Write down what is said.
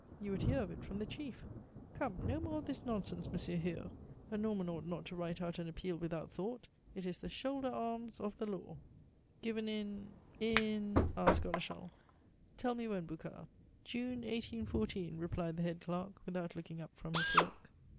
You would hear of it from the chief! Come, no more of this nonsense, Monsieur Hure! A Norman ought not to write out an appeal without thought. It is the 'Shoulder arms!' of the law." "Given in in?" asked Godeschal. "Tell me when, Boucard." "June 1814," replied the head clerk, without looking up from his work.